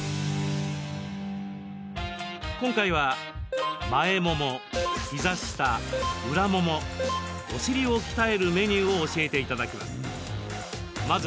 今回は、前もも、膝下、裏ももお尻を鍛えるメニューを教えていただきます。